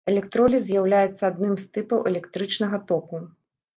Электроліз з'яўляецца адным з тыпаў электрычнага току.